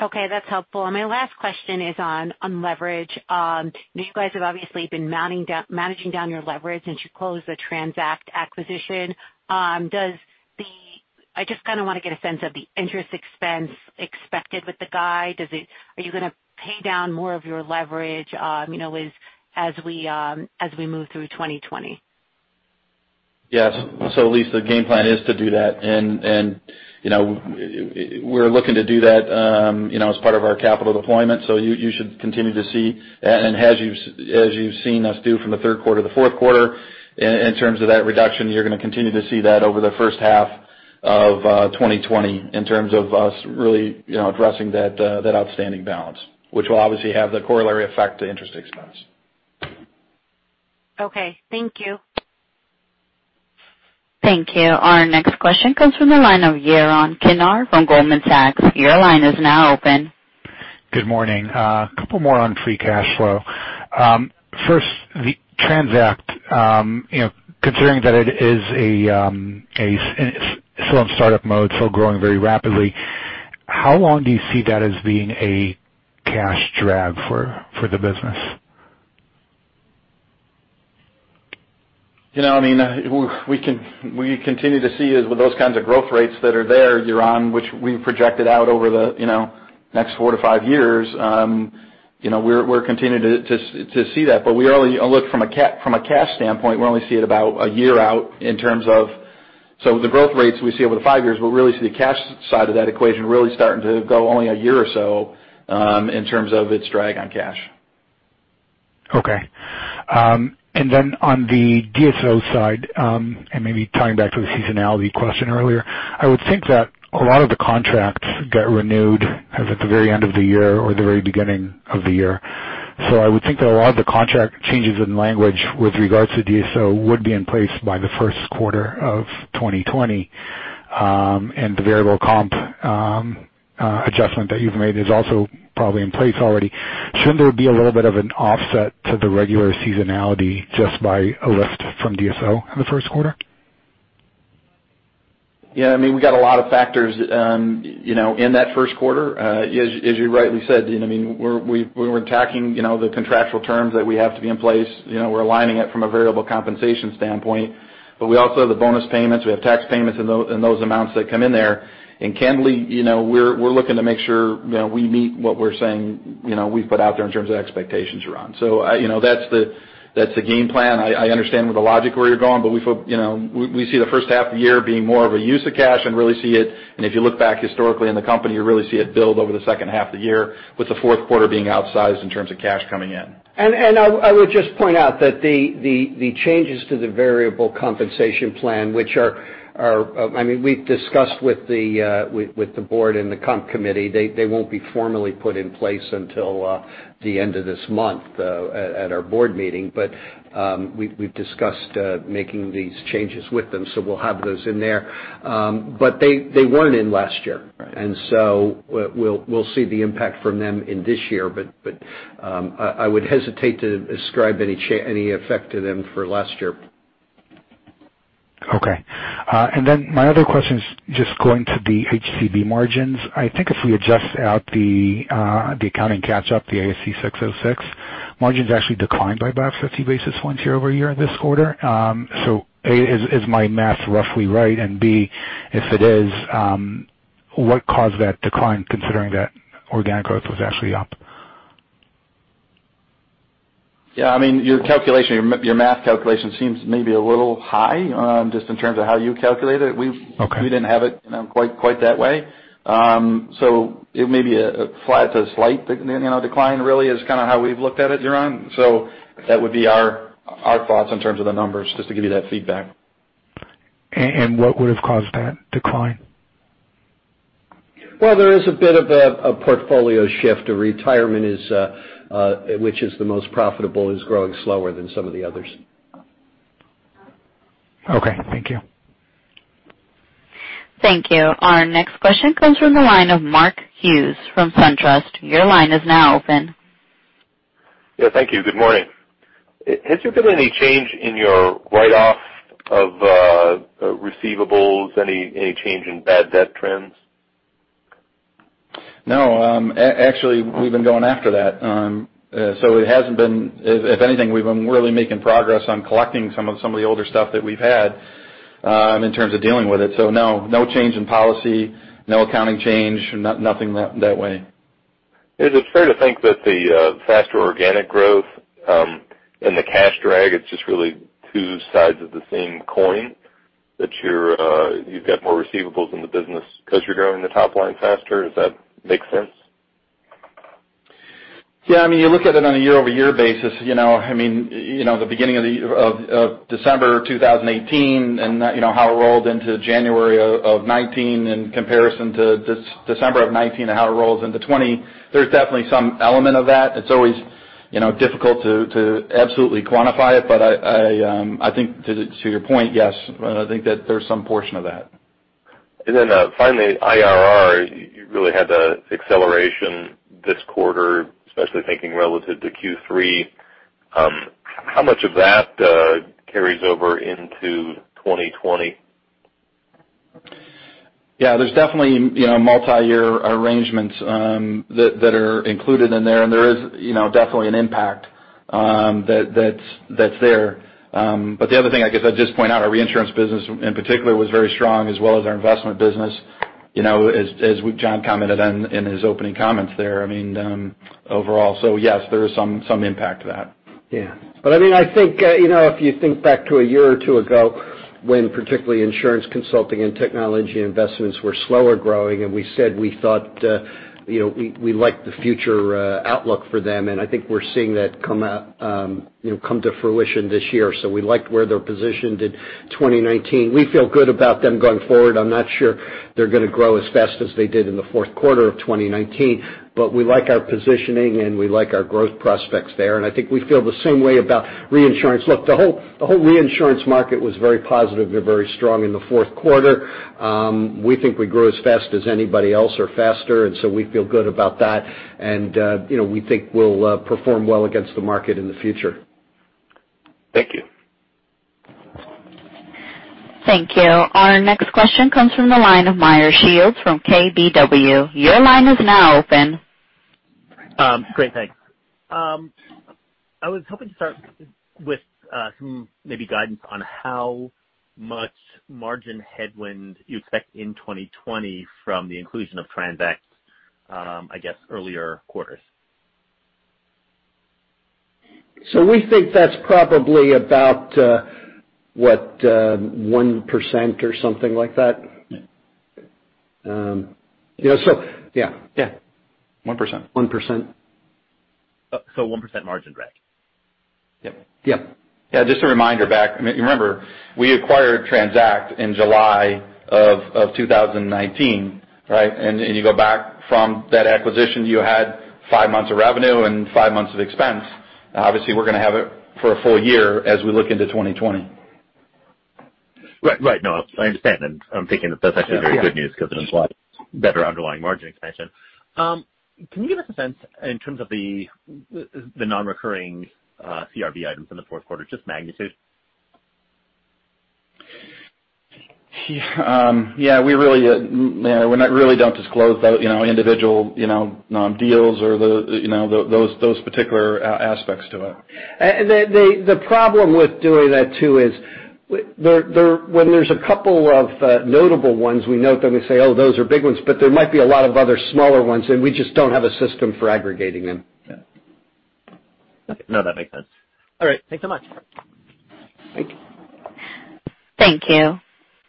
Okay. That's helpful. My last question is on leverage. You guys have obviously been managing down your leverage since you closed the TRANZACT acquisition. I just kind of want to get a sense of the interest expense expected with the guide. Are you going to pay down more of your leverage as we move through 2020? Yes. Elyse, the game plan is to do that. We're looking to do that as part of our capital deployment. You should continue to see And as you've seen us do from the third quarter to the fourth quarter, in terms of that reduction, you're going to continue to see that over the first half of 2020 in terms of us really addressing that outstanding balance, which will obviously have the corollary effect to interest expense. Okay. Thank you. Thank you. Our next question comes from the line of Yaron Kinar from Goldman Sachs. Your line is now open. Good morning. A couple more on free cash flow. First, the TRANZACT, considering that it is still in startup mode, still growing very rapidly, how long do you see that as being a cash drag for the business? We continue to see is with those kinds of growth rates that are there, Yaron, which we've projected out over the next four to five years. We're continuing to see that. From a cash standpoint, we only see it about a year out in terms of the growth rates we see over the five years, we'll really see the cash side of that equation really starting to go only a year or so in terms of its drag on cash. Okay. On the DSO side, and maybe tying back to the seasonality question earlier, I would think that a lot of the contracts got renewed at the very end of the year or the very beginning of the year. I would think that a lot of the contract changes in language with regards to DSO would be in place by the first quarter of 2020. The variable comp adjustment that you've made is also probably in place already. Shouldn't there be a little bit of an offset to the regular seasonality just by a lift from DSO in the first quarter? Yeah. We got a lot of factors in that first quarter. As you rightly said, we're attacking the contractual terms that we have to be in place. We're aligning it from a variable compensation standpoint. We also have the bonus payments, we have tax payments and those amounts that come in there. Candidly, we're looking to make sure we meet what we're saying we've put out there in terms of expectations around. That's the game plan. I understand the logic where you're going, we see the first half of the year being more of a use of cash and really see it. If you look back historically in the company, you really see it build over the second half of the year, with the fourth quarter being outsized in terms of cash coming in. I would just point out that the changes to the variable compensation plan, which we've discussed with the board and the comp committee. They won't be formally put in place until the end of this month at our board meeting. We've discussed making these changes with them, so we'll have those in there. They weren't in last year. Right. We'll see the impact from them in this year. I would hesitate to ascribe any effect to them for last year. Okay. My other question is just going to the HCB margins. I think if we adjust out the accounting catch up, the ASC 606, margins actually declined by about 30 basis points year-over-year this quarter. A, is my math roughly right? B, if it is, what caused that decline considering that organic growth was actually up? Yeah. Your math calculation seems maybe a little high, just in terms of how you calculated it. Okay. We didn't have it quite that way. It may be a flat to slight decline really is kind of how we've looked at it, Yaron. That would be our thoughts in terms of the numbers, just to give you that feedback. What would have caused that decline? Well, there is a bit of a portfolio shift. A retirement, which is the most profitable, is growing slower than some of the others. Okay. Thank you. Thank you. Our next question comes from the line of Mark Hughes from SunTrust. Your line is now open. Yeah. Thank you. Good morning. Has there been any change in your write-off of receivables? Any change in bad debt trends? No. Actually, we've been going after that. If anything, we've been really making progress on collecting some of the older stuff that we've had in terms of dealing with it. No. No change in policy, no accounting change, nothing that way. Is it fair to think that the faster organic growth and the cash drag, it's just really two sides of the same coin? You've got more receivables in the business because you're growing the top line faster. Does that make sense? Yeah. You look at it on a year-over-year basis. The beginning of December 2018, and how it rolled into January of 2019, in comparison to December of 2019 and how it rolls into 2020, there's definitely some element of that. I think to your point, yes. I think that there's some portion of that. Finally, IRR, you really had the acceleration this quarter, especially thinking relative to Q3. How much of that carries over into 2020? Yeah. There's definitely multi-year arrangements that are included in there. There is definitely an impact that's there. The other thing, I guess I'd just point out, our reinsurance business in particular was very strong as well as our investment business, as John commented on in his opening comments there. Overall, yes, there is some impact to that. I think if you think back to a year or two ago, when particularly insurance consulting and technology investments were slower growing, we said we thought we liked the future outlook for them. I think we're seeing that come to fruition this year. We liked where they're positioned in 2019. We feel good about them going forward. I'm not sure they're going to grow as fast as they did in the fourth quarter of 2019. We like our positioning, and we like our growth prospects there. I think we feel the same way about reinsurance. Look, the whole reinsurance market was very positive and very strong in the fourth quarter. We think we grew as fast as anybody else or faster. We feel good about that. We think we'll perform well against the market in the future. Thank you. Thank you. Our next question comes from the line of Meyer Shields from KBW. Your line is now open. Great, thanks. I was hoping to start with some maybe guidance on how much margin headwind you expect in 2020 from the inclusion of TRANZACT, I guess, earlier quarters. We think that's probably about, what, 1% or something like that? Yeah. Yeah, so yeah. Yeah. 1%. 1%. 1% margin drag? Yep. Yeah. Yeah. Just a reminder back, remember, we acquired TRANZACT in July of 2019, right? You go back from that acquisition, you had five months of revenue and five months of expense. Obviously, we're going to have it for a full-year as we look into 2020. Right. No, I understand, and I'm thinking that that's actually very good news because it implies better underlying margin expansion. Can you give us a sense in terms of the non-recurring CRB items in the fourth quarter? Just magnitude. Yeah. We really don't disclose the individual deals or those particular aspects to it. The problem with doing that too is when there's a couple of notable ones, we note them, we say, "Oh, those are big ones." There might be a lot of other smaller ones, and we just don't have a system for aggregating them. Yeah. Okay. No, that makes sense. All right. Thanks so much. Thank you. Thank you.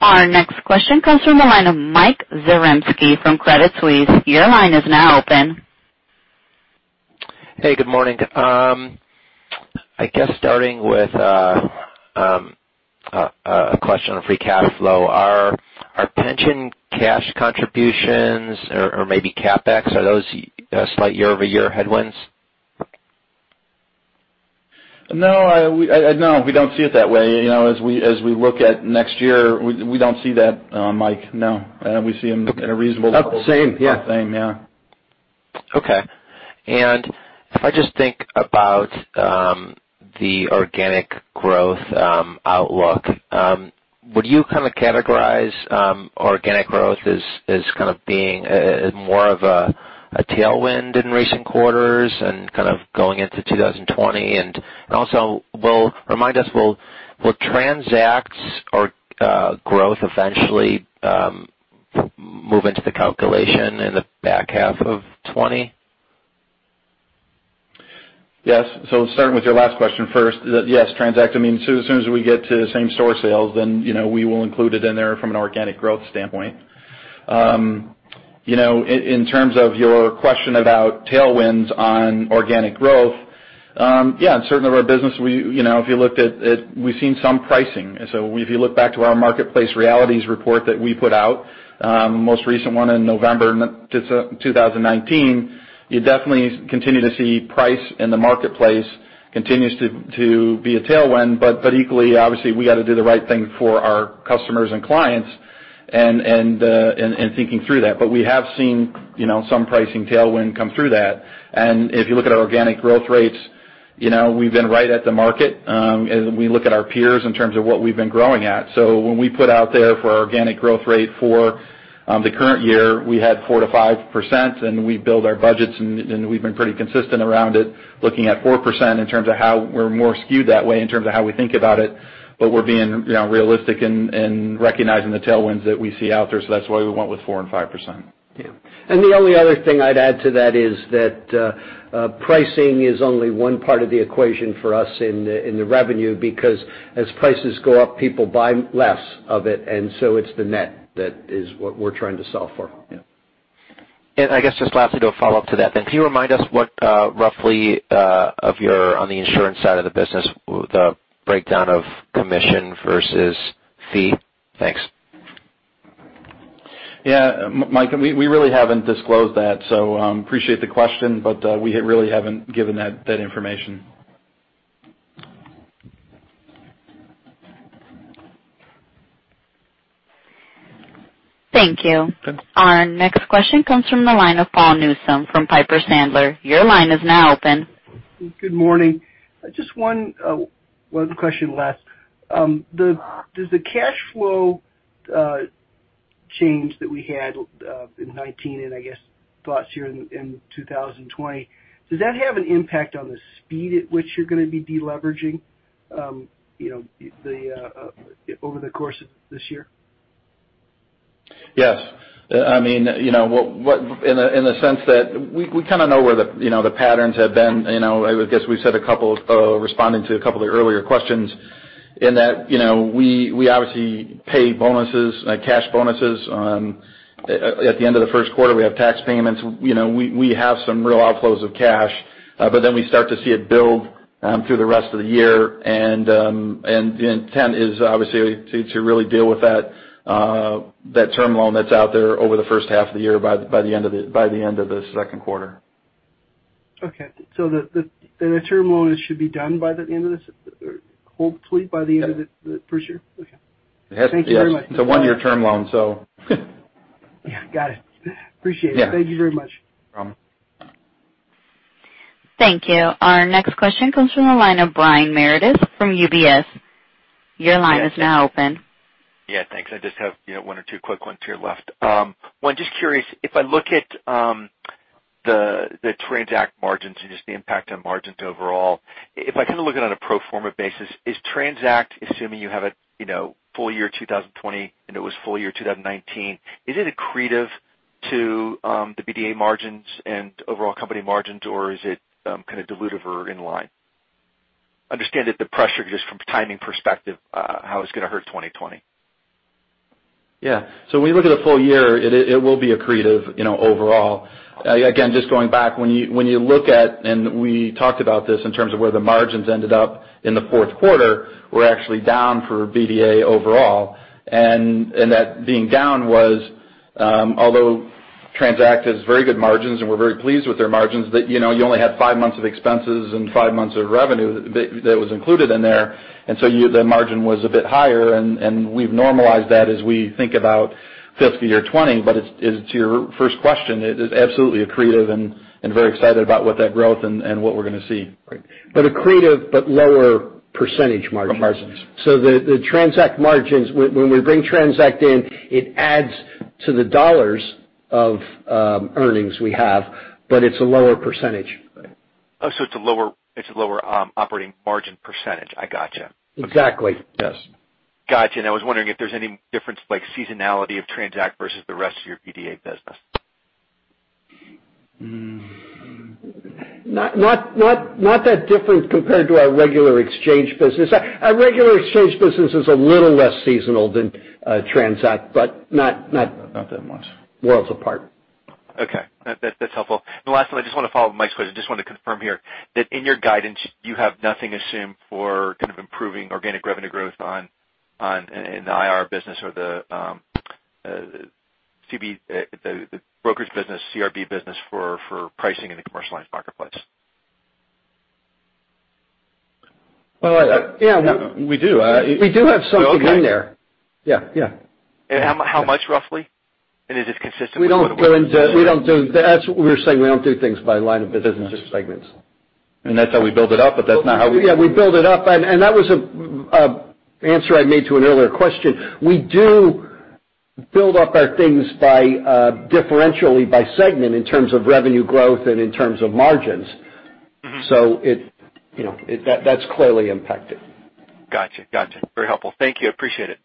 Our next question comes from the line of Mike Zaremski from Credit Suisse. Your line is now open. Hey, good morning. I guess starting with a question on free cash flow. Are pension cash contributions or maybe CapEx, are those slight year-over-year headwinds? No, we don't see it that way. As we look at next year, we don't see that, Mike, no. About the same, yeah. Same, yeah. Okay. If I just think about the organic growth outlook, would you categorize organic growth as kind of being more of a tailwind in recent quarters and kind of going into 2020? Also, remind us, will TRANZACT's growth eventually move into the calculation in the back half of 2020? Starting with your last question first, yes, TRANZACT. As soon as we get to same-store sales, we will include it in there from an organic growth standpoint. In terms of your question about tailwinds on organic growth, yeah, in certain of our business, if you looked at it, we've seen some pricing. If you look back to our Marketplace Realities report that we put out, most recent one in November 2019, you definitely continue to see price in the marketplace continues to be a tailwind, but equally, obviously, we got to do the right thing for our customers and clients in thinking through that. We have seen some pricing tailwind come through that. If you look at our organic growth rates, we've been right at the market as we look at our peers in terms of what we've been growing at. When we put out there for our organic growth rate for the current year, we had 4%-5% and we build our budgets, and we've been pretty consistent around it, looking at 4% in terms of how we're more skewed that way in terms of how we think about it, but we're being realistic and recognizing the tailwinds that we see out there. That's why we went with 4% and 5%. Yeah. The only other thing I'd add to that is that pricing is only one part of the equation for us in the revenue because as prices go up, people buy less of it, and so it's the net that is what we're trying to solve for. Yeah. I guess just lastly, though, a follow-up to that then. Can you remind us what, roughly, on the insurance side of the business, the breakdown of commission versus fee? Thanks. Yeah. Mike, we really haven't disclosed that, so appreciate the question, but we really haven't given that information. Thank you. Our next question comes from the line of Paul Newsome from Piper Sandler. Your line is now open. Good morning. Just one question, Mike. Does the cash flow change that we had in 2019 and I guess thoughts here in 2020, does that have an impact on the speed at which you're going to be de-leveraging over the course of this year? Yes. In the sense that we kind of know where the patterns have been. I guess we've said a couple, responding to a couple of the earlier questions in that we obviously pay bonuses, cash bonuses. At the end of the first quarter, we have tax payments. We have some real outflows of cash, but then we start to see it build through the rest of the year, and the intent is obviously to really deal with that term loan that's out there over the first half of the year by the end of the second quarter. Okay. The term loan should be done by the end of this, or hopefully by the end of the first year? Yes. Okay. Thank you very much. It's a one-year term loan. Yeah. Got it. Appreciate it. Yeah. Thank you very much. No problem. Thank you. Our next question comes from the line of Brian Meredith from UBS. Your line is now open. Yeah, thanks. I just have one or two quick ones here left. One, just curious, if I look at the TRANZACT margins and just the impact on margins overall, if I kind of look at it on a pro forma basis, is TRANZACT, assuming you have a full-year 2020 and it was full-year 2019, is it accretive to the BDA margins and overall company margins, or is it kind of dilutive or in line? Understand that the pressure just from timing perspective, how it's going to hurt 2020. When you look at a full-year, it will be accretive overall. We talked about this in terms of where the margins ended up in the fourth quarter, we're actually down for BDA overall. That being down was, although TRANZACT has very good margins and we're very pleased with their margins, that you only had five months of expenses and five months of revenue that was included in there. The margin was a bit higher, and we've normalized that as we think about fiscal year 2020. To your first question, it is absolutely accretive and very excited about what that growth and what we're going to see. Great. Accretive but lower percentage margins. Margins. The TRANZACT margins, when we bring TRANZACT in, it adds to the dollars of earnings we have, but it's a lower percentage. Oh, it's a lower operating margin percentage. I got you. Exactly. Yes. Got you. I was wondering if there's any difference, like seasonality of TRANZACT versus the rest of your BDA business? Not that different compared to our regular exchange business. Our regular exchange business is a little less seasonal than TRANZACT. Not that much. Worlds apart. Okay. That's helpful. The last one, I just want to follow up Mike's question. Just wanted to confirm here that in your guidance, you have nothing assumed for kind of improving organic revenue growth in the IRR business or the brokerage business, CRB business for pricing in the commercialized marketplace. Well, yeah, we do. We do have something in there. Okay. Yeah. How much, roughly? Is it consistent with- That's what we were saying. We don't do things by line of business. Business segments. That's how we build it up. Yeah, we build it up. That was an answer I made to an earlier question. We do build up our things differentially by segment in terms of revenue growth and in terms of margins. That's clearly impacted. Got you. Very helpful. Thank you. Appreciate it.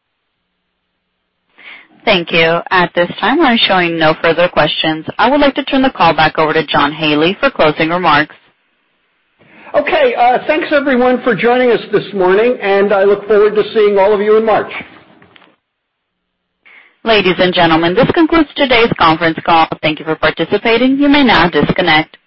Thank you. At this time, I'm showing no further questions. I would like to turn the call back over to John Haley for closing remarks. Okay. Thanks everyone for joining us this morning, and I look forward to seeing all of you in March. Ladies and gentlemen, this concludes today's conference call. Thank you for participating. You may now disconnect.